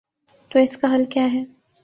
تو اس کا حل کیا ہے؟